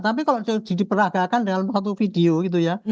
tapi kalau diperagakan dalam satu video gitu ya